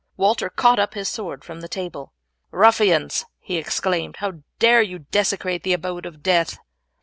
Walter caught up his sword from the table. "Ruffians," he exclaimed, "how dare you desecrate the abode of death?"